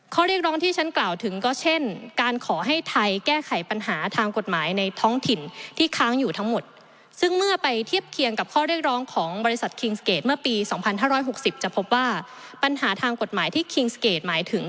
ข้อเรียกร้องที่ฉันกล่าวถึงก็เช่นการขอให้ไทยแก้ไขปัญหาทางกฎหมายในท้องถิ่นที่ค้างอยู่ทั้งหมด